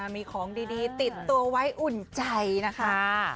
มีของดีติดตัวไว้อุ่นใจนะคะ